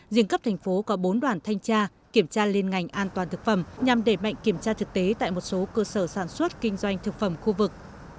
riêng cấp thành phố có bốn đoàn thanh tra kiểm tra liên ngành an toàn thực phẩm nhằm đẩy mạnh kiểm tra thực tế tại một số cơ sở sản xuất kinh doanh thực phẩm khu vực